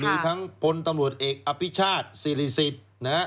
หรือทั้งพตเอกอภิชาธิ์สิริสิทธิ์